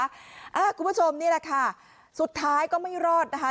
คุณผู้ชมนี่แหละค่ะสุดท้ายก็ไม่รอดนะคะ